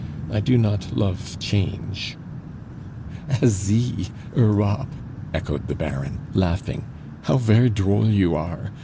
I do not love change " "Asie, Europe!" echoed the Baron, laughing. "How ver' droll you are.